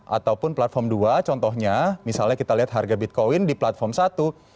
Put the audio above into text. ataupun platform dua contohnya misalnya kita lihat harga bitcoin di platform satu